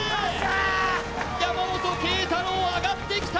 山本桂太朗上がってきた。